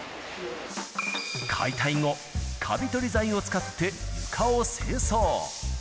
解体後、かび取り剤を使って床を清掃。